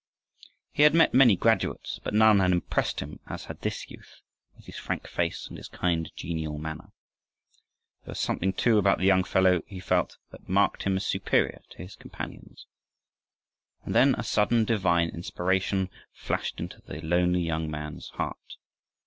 He had met many graduates, but none had impressed him as had this youth, with his frank face and his kind, genial manner. There was something too about the young fellow, he felt, that marked him as superior to his companions. And then a sudden divine inspiration flashed into the lonely young missionary's heart.